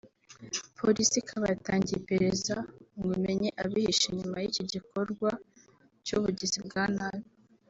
Polisi ikaba yatangiye iperereza ngo imenye abihishe inyuma y’iki gikorwa cy’ubugizi bwa nabi